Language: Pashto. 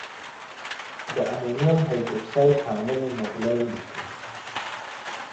د امونیم هایدرواکساید تعامل معادله ولیکئ.